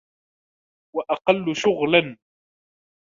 وَأَقَلُّ شُغْلًا